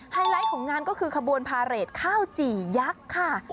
ไลท์ของงานก็คือขบวนพาเรทข้าวจี่ยักษ์ค่ะ